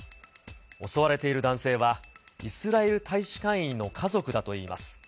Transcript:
襲われている男性は、イスラエル大使館員の家族だといいます。